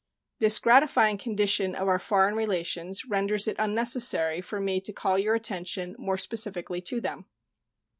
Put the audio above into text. This gratifying condition of our foreign relations renders it unnecessary for me to call your attention more specifically to them.